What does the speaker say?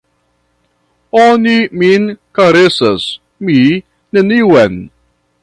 Oni min karesas, mi neniun!